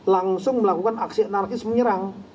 langsung melakukan aksi anarkis menyerang